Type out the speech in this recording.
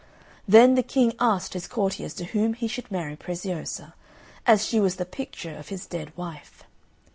Then the King asked his courtiers to whom he should marry Preziosa, as she was the picture of his dead wife.